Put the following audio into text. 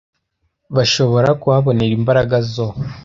bashobora kuhabonera imbaraga zo